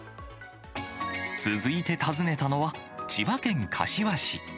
続いて訪ねたのは、千葉県柏市。